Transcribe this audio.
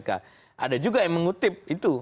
ada juga yang mengutip itu